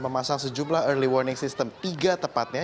memasang sejumlah early warning system tiga tepatnya